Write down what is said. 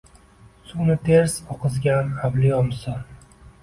suvni ters oqizgan avliyo misol